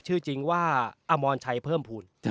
ชื่อจริงว่าอมรชัยเพิ่มภูมิ